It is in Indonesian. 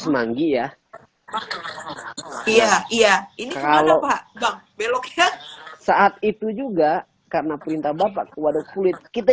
manggi ya iya iya ini kalau beloknya saat itu juga karena perintah bapak ke waduk kulit kita